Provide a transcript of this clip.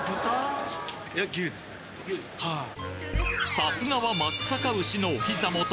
さすがは松阪牛のお膝元